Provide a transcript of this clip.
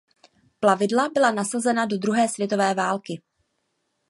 Plavidla byla nasazena do druhé světové války.